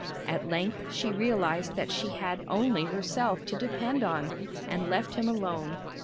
At length she realised that she had only herself to depend on, and left him alone.